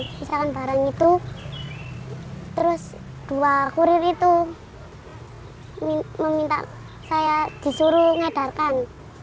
misalkan barang itu terus dua kurir itu meminta saya disuruh ngadarkan